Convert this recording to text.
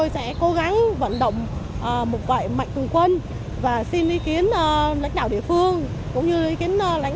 để cố gắng vận động một loại mạnh tường quân và xin ý kiến lãnh đạo địa phương cũng như ý kiến lãnh